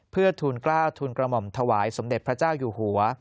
เพื่อทูลกล้าวทูลกระหม่อมถวายสมเด็จพระเจ้าอยู่หัว